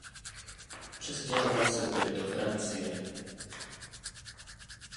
Přestěhoval se tedy do Francie.